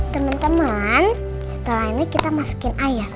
temen temen setelah ini kita masukin air